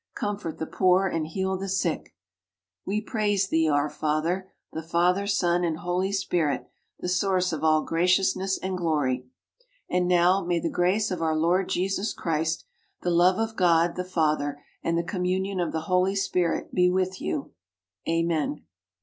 Comfort the poor and heal the sick. We praise Thee, Our Father, the Father, Son and Holy Spirit, the source of all graciousness and glory. And now may the grace of our Lord Jesus Christ, the love of God the Father, and the communion of the Holy Spirit be with you. Amen.